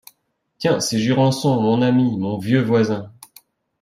Tiens ! c’est Jurançon, mon ami, mon vieux voisin…